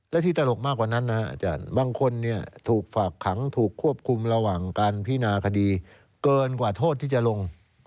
และที่ตลกมากกว่านั้นนะอาจารย์บางคนถูกฝากขังถูกควบคุมระหว่างการพินาคดีเกินกว่าโทษที่จะลง